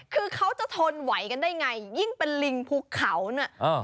คือเขาจะทนไหวกันได้ไงยิ่งเป็นลิงภูเขาเนี่ย